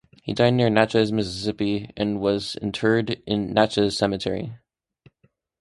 He died near Natchez, Mississippi, and was interred in Natchez Cemetery.